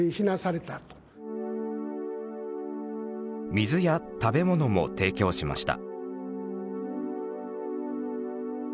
水や食べ物も提供しました。